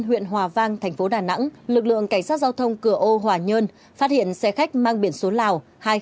huyện hòa vang thành phố đà nẵng lực lượng cảnh sát giao thông cửa âu hòa nhơn phát hiện xe khách mang biển số lào